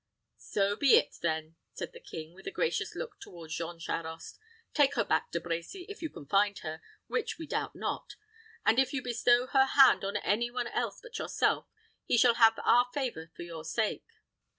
"So be it, then," said the king, with a gracious look toward Jean Charost. "Take her back, De Brecy, if you can find her, which we doubt not; and if you bestow her hand on any one else but yourself, he shall have our favor for your sake.